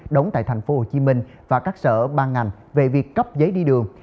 đóng tại tp hcm và các sở ban ngành về việc cấp giấy đi đường